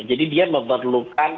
jadi dia memerlukan